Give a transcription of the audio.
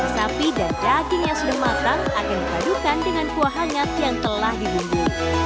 sapi dan daging yang sudah matang akan dipadukan dengan kuah hangat yang telah dibumbu